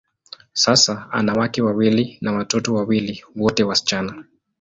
Sasa, ana wake wawili na watoto wawili, wote wasichana.